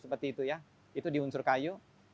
seperti itu ya itu di unsur kayu